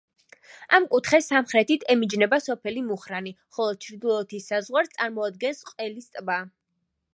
ამ კუთხეს სამხრეთით ემიჯნება სოფელი მუხრანი, ხოლო ჩრდილოეთის საზღვარს წარმოადგენს ყელის ტბა.